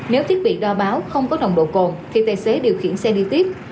nếu thiết bị đo báo không có nồng độ cồn thì tài xế điều khiển xe đi tiếp